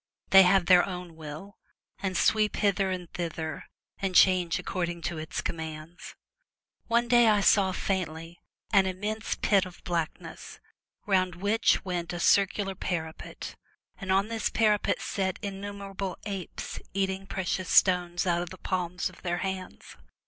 They have their own will, and sweep hither and thither, and change according to its commands. One day I saw faintly an immense pit of blackness, round which went a circular parapet, and on this para pet sat innumerable apes eating precious stones out of the palms of their hands.